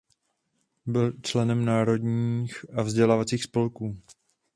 Byl členem národních a vzdělávacích spolků.